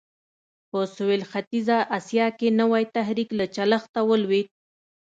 په سوېل ختیځه اسیا کې نوی تحرک له چلښته ولوېد.